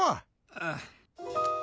ああ。